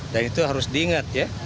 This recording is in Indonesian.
dan itu harus diingat ya